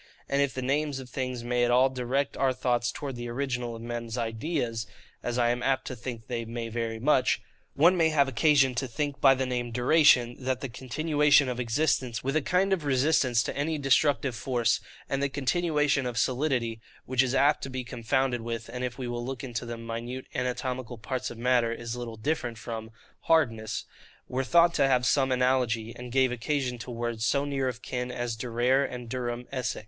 And if the names of things may at all direct our thoughts towards the original of men's ideas, (as I am apt to think they may very much,) one may have occasion to think by the name DURATION, that the continuation of existence, with a kind of resistance to any destructive force, and the continuation of solidity (which is apt to be confounded with, and if we will look into the minute anatomical parts of matter, is little different from, hardness) were thought to have some analogy, and gave occasion to words so near of kin as durare and durum esse.